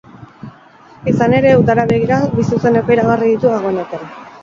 Izan ere, udara begira bi zuzeneko iragarri ditu dagoeneko.